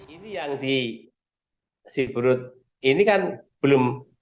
ini yang di siberut ini kan belum